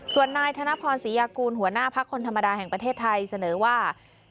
ส่วนนายธนพรศรียากูลหัวหน้าพักคนธรรมดาแห่งประเทศไทยเสนอว่า